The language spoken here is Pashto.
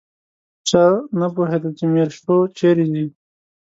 چا نه پوهېدل چې میرشو چیرې ځي.